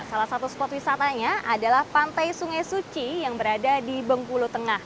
salah satu spot wisatanya adalah pantai sungai suci yang berada di bengkulu tengah